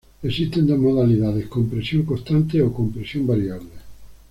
Existen dos modalidades, con presión constante, o, con presión variable.